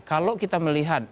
kalau kita melihat ini